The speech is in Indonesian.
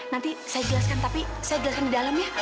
nanti saya jelaskan tapi saya jelaskan di dalam ya